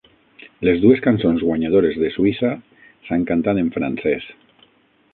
Les dues cançons guanyadores de Suïssa s"han cantant en francès.